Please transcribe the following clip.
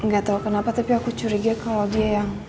gak tau kenapa tapi aku curiga kalau dia yang